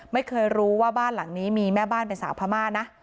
ไม่เคยรู้ว่าบ้านหลังนี้มีแม่บ้านเป็นสาวพม่านะ